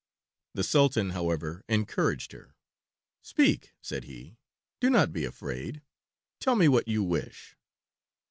The Sultan, however, encouraged her. "Speak," said he. "Do not be afraid. Tell me what you wish."